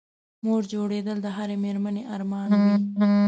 مور جوړېدل د هرې مېرمنې ارمان وي